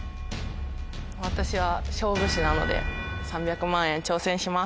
私は勝負師なので３００万円挑戦します。